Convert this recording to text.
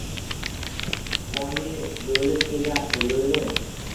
Oyi! Lo‘li kelyapti, lo‘li!